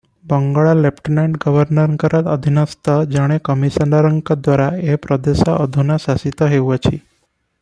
ବଙ୍ଗଳା lieutenant ଗବର୍ଣ୍ଣରଙ୍କର ଅଧୀନସ୍ଥ ଜଣେ କମିଶନରଙ୍କଦ୍ୱାରା ଏ ପ୍ରଦେଶ ଅଧୁନା ଶାସିତ ହେଉଅଛି ।